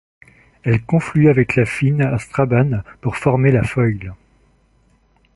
Elle conflue avec la Finn à Strabane, pour former la Foyle.